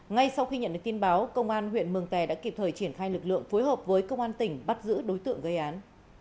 ngay sau khi nhận được tin báo công an huyện mường tè đã kịp thời triển khai lực lượng phối hợp với công an tỉnh bắt giữ đối tượng gây án